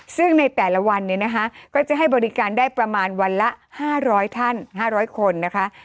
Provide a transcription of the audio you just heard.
ซึ่งในแต่ละวันเนี่ยนะคะก็จะให้บริการได้ประมาณวันละ๕๐๐ท่าน๕๐๐คนนะคะ